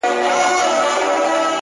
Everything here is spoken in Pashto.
او راته وايي دغه!!